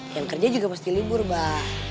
yang kerja juga pasti libur abah